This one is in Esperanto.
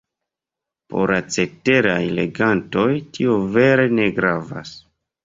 Por la ceteraj legantoj, tio vere ne gravas.